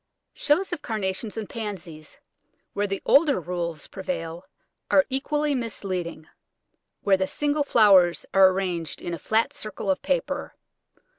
Shows of Carnations and Pansies, where the older rules prevail, are equally misleading, where the single flowers are arrayed in a flat circle of paper.